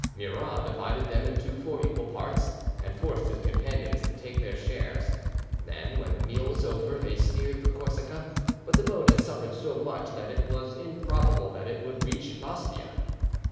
Murat divided them into four equal parts, and forced his companions to take their shares; then, when the meal was over, they steered for Corsica, but the boat had suffered so much that it was improbable that it would reach Bastia.